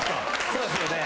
そうですよね。